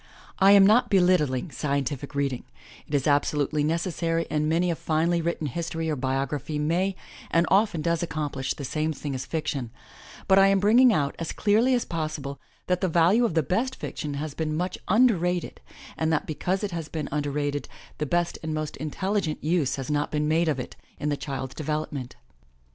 I am not belittling scientific reading; it is absolutely necessary and many a finely written history or biography may and often does accomplish the same thing as fiction, but I am bringing out as clearly as possible, that the value of the best fiction has been much under rated and that because it has been under rated, the best and most intelligent use has not been made of it in the child's develop ment.